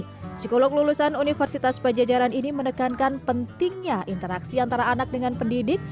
psikolog lulusan universitas pajajaran ini menekankan pentingnya interaksi antara anak dengan pendidik